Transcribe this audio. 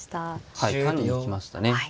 はい単に行きましたね。